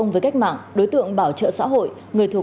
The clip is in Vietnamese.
và các chiến sĩ của hội thao